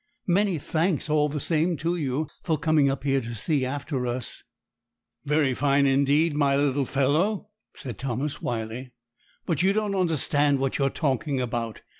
Many thanks all the same to you for coming up here to see after us.' 'Very fine indeed, my little fellow,' said Thomas Wyley; 'but you don't understand what you are talking about.